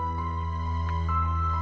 ceng eh tunggu